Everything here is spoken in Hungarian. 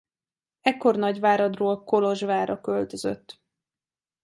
Ekkor Nagyváradról Kolozsvárra költözött.